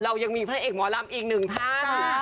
เรายังมีพลังเอกหมอลำอีกหนึ่งทั้ง